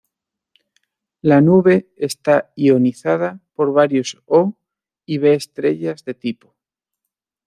La nube está ionizada por varios O y B-estrellas de tipo.